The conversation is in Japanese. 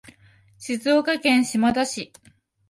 静岡県島田市